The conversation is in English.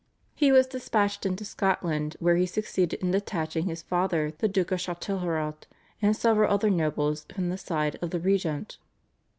He was dispatched into Scotland, where he succeeded in detaching his father, the Duke of Châtelherault, and several other nobles from the side of the regent.